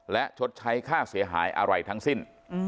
และชดใช้ค่าเสียหายอะไรทั้งสิ้น